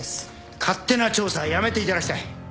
勝手な調査はやめていただきたい。